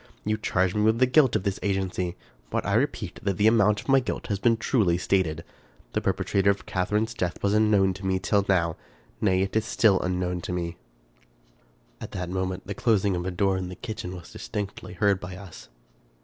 You charge me with the guilt of this agency ; but I repeat that the amount of my guilt has been truly stated. The perpetrator of Catharine's death was unknown to me till now ; nay, it is still unknown to me." At that moment, the closing of a door in the kitchen was distinctly heard by us.